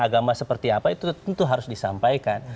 agama seperti apa itu tentu harus disampaikan